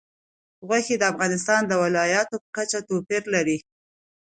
غوښې د افغانستان د ولایاتو په کچه توپیر لري.